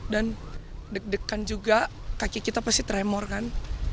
dan deg degan juga kaki kita pasti tremor kan